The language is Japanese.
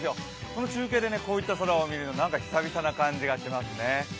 この中継でこういった空を見るのは、久々な感じがしますね。